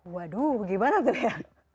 waduh gimana tuh ya